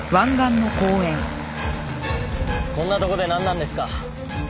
こんなとこでなんなんですか？